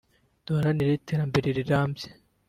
duharanira iterambere rirambye